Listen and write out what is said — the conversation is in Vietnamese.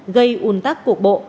gây un tắc cuộc bộ